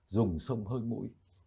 dùng sông hơi mũi